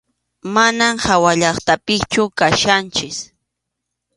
Manam hawallaqtapichu kachkanchik.